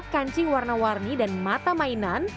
kancing warna warni dan mata mainan